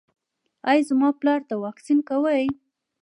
ایا زما پلار ته واکسین کوئ؟